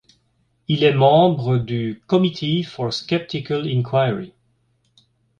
Il est membre du Committee for Skeptical Inquiry.